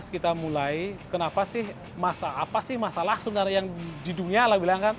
dua ribu tujuh belas kita mulai kenapa sih apa sih masalah sebenarnya yang di dunia